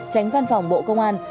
tránh văn phòng bộ công an